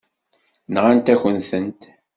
Nɣant-akent-tent.